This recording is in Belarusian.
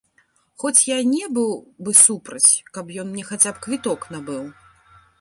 Хоць я і не быў бы супраць, каб ён мне хаця б квіток набыў.